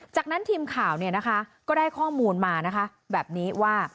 จากนั้นทีมข่าวก็ได้ข้อมูลมานะคะแบบนี้ว่า